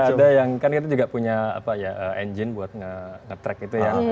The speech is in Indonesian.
ada yang kan kita juga punya apa ya engine buat nge track itu ya